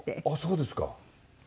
あっそうですか。